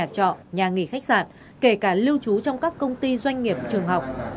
chợ nhà nghỉ khách sạn kể cả lưu trú trong các công ty doanh nghiệp trường học